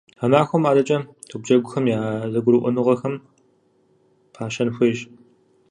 Гъэмахуэм адэкӀэ топджэгухэм я зэгурыӀуэныгъэхэм пащэн хуейщ.